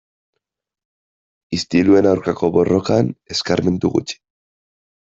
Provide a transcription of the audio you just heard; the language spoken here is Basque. Istiluen aurkako borrokan eskarmentu gutxi.